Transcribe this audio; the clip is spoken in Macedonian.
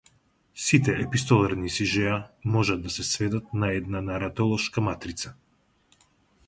Сите епистоларни сижеа можат да се сведат на една наратолошка матрица.